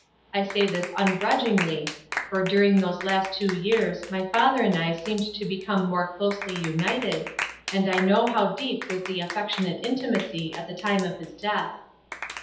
I say this ungrudgingly, for during those last two years my father and I seemed to become more closely united, and I know how deep was the affectionate intimacy at the time of his death.